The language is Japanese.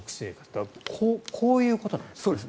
だからこういうことなんですね。